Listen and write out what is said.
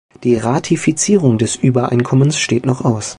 Die Ratifizierung des Übereinkommens steht noch aus.